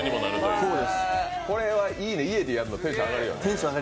これはいいね、家でやるのテンション上がるよね。